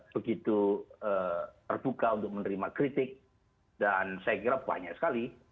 begitu terbuka untuk menerima kritik dan saya kira banyak sekali